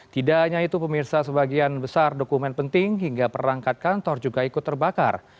tidak hanya itu pemirsa sebagian besar dokumen penting hingga perangkat kantor juga ikut terbakar